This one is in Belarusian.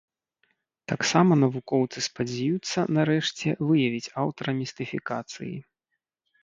Таксама навукоўцы спадзяюцца, нарэшце, выявіць аўтара містыфікацыі.